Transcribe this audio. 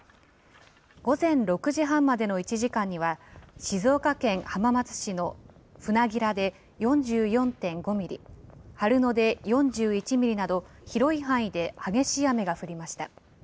午前６時半までの１時間には、静岡県浜松市の船明で４４．５ミリ、春野で４１ミリなど、広い範囲で激しい雨が降りました。